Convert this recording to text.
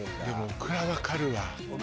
でもオクラわかるわ。